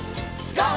ＧＯ！